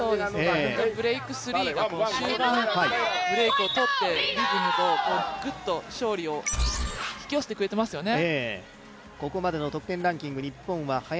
ブレイクスリーが終盤、ブレイクをとって、リズムをぐっと勝利を引き寄せてくれていますよね。